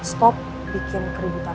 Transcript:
iya pak biar saya taruh balon dulu ya pak